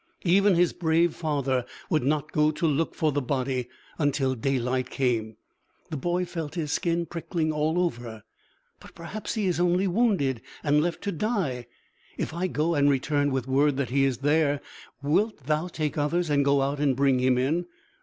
Even his brave father would not go to look for the body until daylight came. The boy felt his skin prickling all over. "But perhaps he is only wounded and left to die. If I go and return with word that he is there, wilt thou take others and go out and bring him in?"